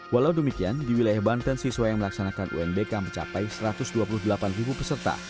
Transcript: walau demikian di wilayah banten siswa yang melaksanakan unbk mencapai satu ratus dua puluh delapan peserta